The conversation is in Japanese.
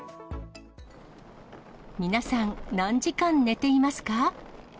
皆さん、何時間寝ていますか？